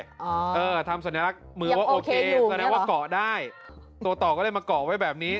อ่าเออทำสัญลักษณ์ว่าโอเคว่ากอได้ตัวต่อก็เลยมาเกาะไว้แบบนี้